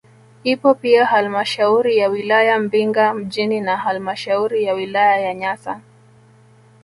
Ipo pia halmashauri ya wilaya Mbinga mjini na halmashauri ya wilaya ya Nyasa